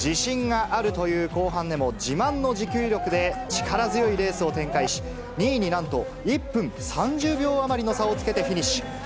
自信があるという後半でも、自慢の持久力で力強いレースを展開し、２位になんと１分３０秒余りの差をつけてフィニッシュ。